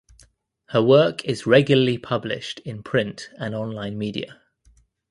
Her work is regularly published in print and online media.